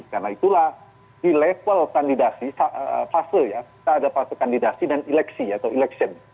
karena itulah di level kandidasi fase ya kita ada fase kandidasi dan eleksi atau election